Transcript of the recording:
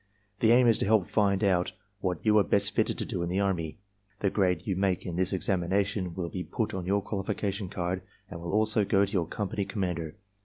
The aim is to help find out what you are best fitted to do in the Army. The grade you make in this examination will be put on your qualification card and will also go to your company commander.